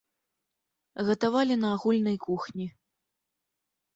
Гатавалі на агульнай кухні.